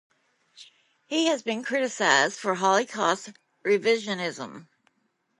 He has been criticized for Holocaust revisionism.